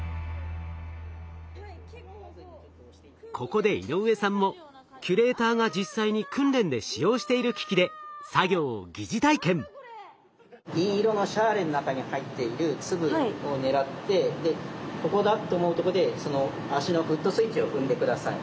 ここで井上さんもキュレーターが実際に訓練で使用している機器で銀色のシャーレの中に入っている粒を狙ってここだと思うとこでその足のフットスイッチを踏んで下さい。